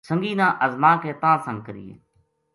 سنگی نا ازما کے تاں سنگ کرینے